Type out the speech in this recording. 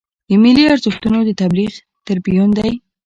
د ملي ارزښتونو د تبلیغ تربیون دی.